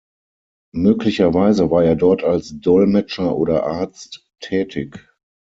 Möglicherweise war er dort als Dolmetscher oder Arzt tätig.